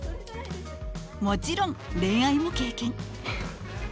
もちろん恋愛も経験。